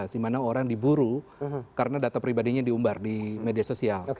di mana orang diburu karena data pribadinya diumbar di media sosial